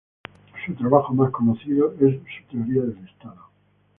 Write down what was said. Su trabajo más conocido es su teoría del Estado.